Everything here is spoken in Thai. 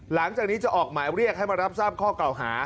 หลังจากนี้จะออกหมายเรียกให้มารับทราบข้อเก่าหา